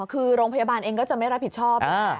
คือโรงพยาบาลเองก็จะไม่รับผิดชอบ